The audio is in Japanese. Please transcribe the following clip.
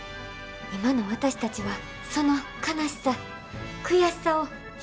今の私たちはその悲しさ悔しさをよく知っています。